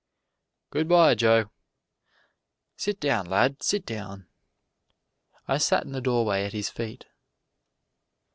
"Good by, Joe. Sit down, lad; sit down!" I sat in the doorway at his feet.